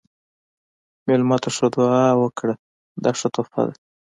مېلمه ته ښه دعا ورکړه، دا ښه تحفه ده.